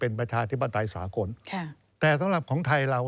เป็นประชาธิปไตยสากลแต่สำหรับของไทยเรา